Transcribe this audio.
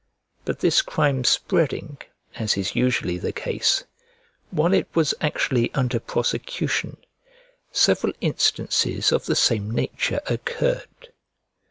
But this crime spreading (as is usually the case) while it was actually under prosecution, several instances of the same nature occurred.